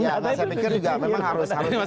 ya saya pikir juga memang harus